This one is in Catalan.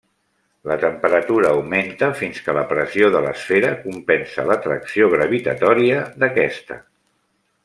La temperatura augmenta fins que la pressió de l'esfera compensa l'atracció gravitatòria d'aquesta.